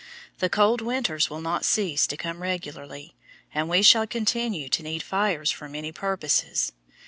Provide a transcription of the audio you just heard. The cold winters will not cease to come regularly, and we shall continue to need fires for many purposes.